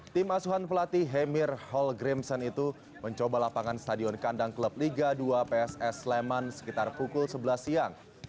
tim asuhan pelatih hemir hall grimson itu mencoba lapangan stadion kandang klub liga dua pss sleman sekitar pukul sebelas siang